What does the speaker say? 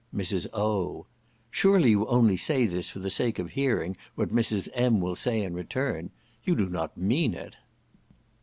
Mrs. O. "Surely you only say this for the sake of hearing what Mrs. M. will say in return—you do not mean it?"